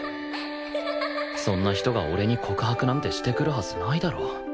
そんな人が俺に告白なんてしてくるはずないだろ